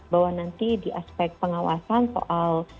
bahwa nanti di aspek pengawasan soal